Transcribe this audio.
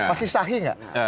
masih sahih ya